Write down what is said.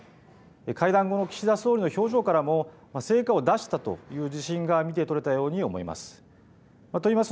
会談後の岸田総理の表情からも、成果を出したという自信が見て取れたように思います。